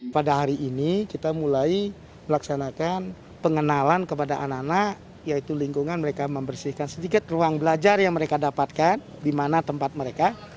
pada hari ini kita mulai melaksanakan pengenalan kepada anak anak yaitu lingkungan mereka membersihkan sedikit ruang belajar yang mereka dapatkan di mana tempat mereka